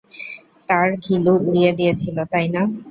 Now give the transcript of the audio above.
তার ঘিলু উড়িয়ে দিয়েছিল, তাই না?